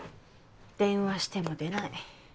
電話しても出ない。